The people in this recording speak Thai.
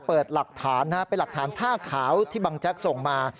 เปิดหลักฐานนะฮะเป็นหลักฐานผ้าขาวที่บังแจ๊กส่งมา